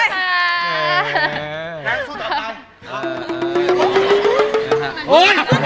แทนกสู้ต่อไป